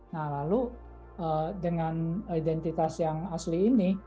nah lalu dengan identitas yang asli ini